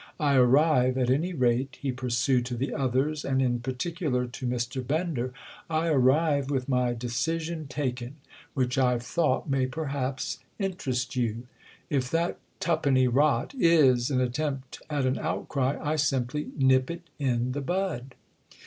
I arrive at any rate," he pursued to the others and in particular to Mr. Bender, "I arrive with my decision taken—which I've thought may perhaps interest you. If that tuppeny rot is an attempt at an outcry I simply nip it in the bud."